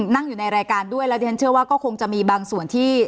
นั่งอยู่ในรายการด้วยแล้วก็คงจะมีบางส่วนที่